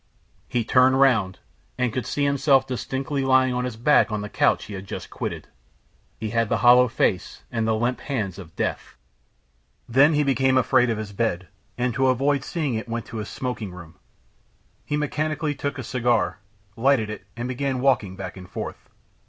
He turned round, and could see himself distinctly lying on his back on the couch he had just quitted. He had the hollow face and the limp hands of death. Then he became afraid of his bed, and to avoid seeing it went to his smoking room. He mechanically took a cigar, lighted it, and began walking back and forth.